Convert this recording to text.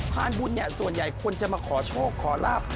บุญเนี่ยส่วนใหญ่คนจะมาขอโชคขอลาบ